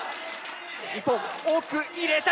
日本奥入れた！